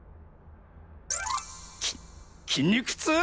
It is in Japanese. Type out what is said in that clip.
きっ筋肉痛？